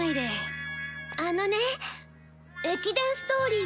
あのね駅伝ストーリー